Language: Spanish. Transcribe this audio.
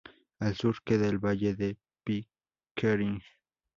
Al sur queda el valle de Pickering.